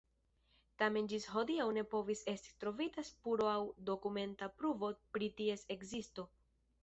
Tamen ĝis hodiaŭ ne povis esti trovita spuro aŭ dokumenta pruvo pri ties ekzisto.